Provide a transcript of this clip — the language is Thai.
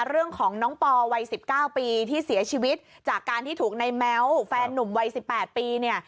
เรื่องของน้องปอวัย๑๙ปีที่เสียชีวิตจากการที่ถูกในแม้วแฟนนุ่มวัย๑๘ปีเนี่ย